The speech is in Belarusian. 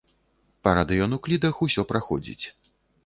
Па радыенуклідах усё праходзіць.